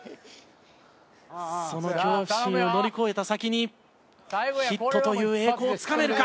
その恐怖心を乗り越えた先にヒットという栄光をつかめるか？